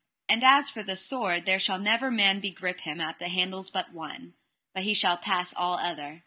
And as for this sword there shall never man begrip him at the handles but one; but he shall pass all other.